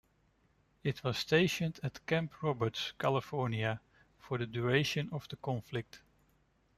It was stationed at Camp Roberts, California for the duration of the conflict.